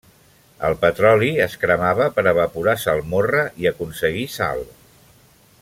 El petroli es cremava per evaporar salmorra i aconseguir sal.